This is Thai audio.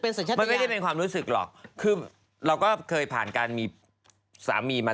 พี่จะอย่างนั้นหนูอยากจริงะ